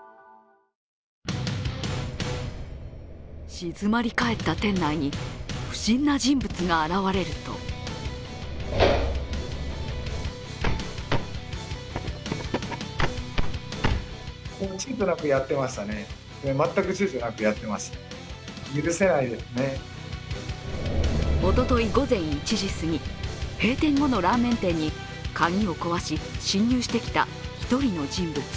静まり返った店内に不審な人物が現れるとおととい午前１時すぎ、閉店後のラーメン店に鍵を壊し侵入してきた１人の人物。